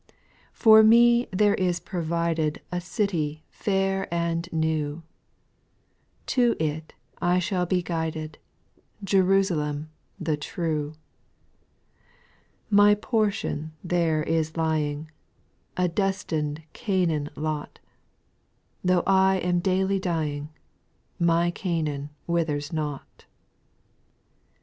\ 8. For me there is provided A city fair and new ; To it I sUall be guided, — Jerusalem the true 1 My portion there is lying, A destined Canaan lot ; Though 1 am daily dying, My Ciinaan \vithei*s not. 6$ SPIRITUAL SONGS. 4.